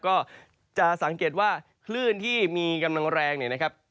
ก็จะสังเกตว่าคลื่นที่มีกำลังแรงเนี่ยนะครับ